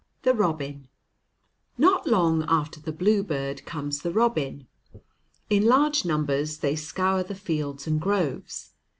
THE ROBIN Not long after the bluebird comes the robin. In large numbers they scour the fields and groves.